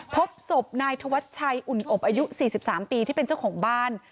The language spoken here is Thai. พบศพนายธวัชชัยอุ่นอบอายุ๔๓ปีที่เป็นเจ้าของบ้าน